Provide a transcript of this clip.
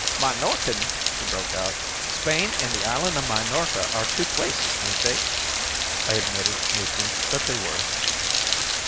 "Minorcan!" he broke out. "Spain and the island of Minorca are two places, ain't they?" I admitted meekly that they were.